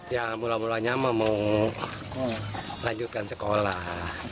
ya mulanya mau melanjutkan sekolah